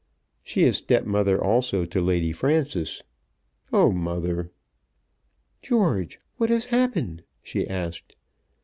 "She is stepmother also to Lady Frances. Oh, mother!" "George, what has happened?" she asked.